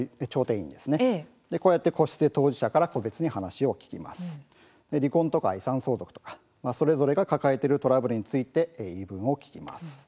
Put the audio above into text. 離婚とか遺産相続とかそれぞれが抱えているトラブルについて言い分を聞きます。